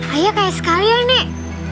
ayah kayak sekali ya nek